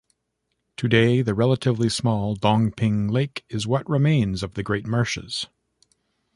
Today the relatively small Dongping Lake is what remains of the great marshes.